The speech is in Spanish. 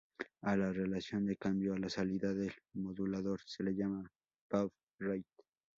A la relación de cambio a la salida del modulador se le llama "baud-rate".